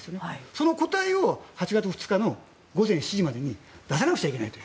その答えを８月２日の午前７時までに出さなくちゃいけないと。